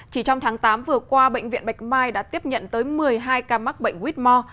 chỉ trong tháng tám vừa qua bệnh viện bạch mai đã tiếp nhận tới một mươi hai ca mắc bệnh whitmore